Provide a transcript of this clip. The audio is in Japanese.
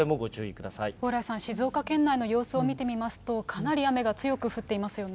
蓬莱さん、静岡県内の様子を見てみますと、かなり雨が強く降っていますよね。